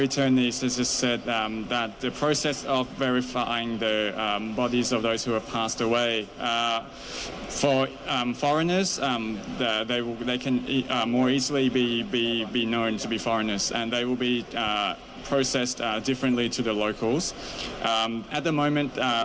เพราะว่าพวกมันอยู่ในสถานการณ์หลักฐานต่างที่ต้องรับรับตรวจ